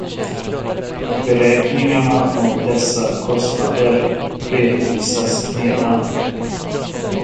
Beräkningarna av dessa kostnader redovisas nedan.